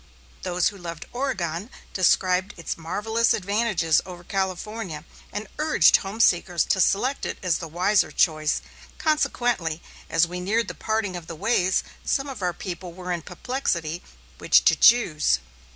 Those who loved Oregon described its marvellous advantages over California, and urged home seekers to select it as the wiser choice; consequently, as we neared the parting of the ways, some of our people were in perplexity which to choose.